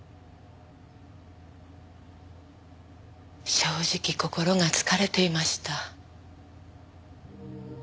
正直心が疲れていました。